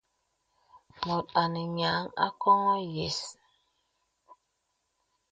Mùt anə nyìa àkoŋɔ̄ yə̀s.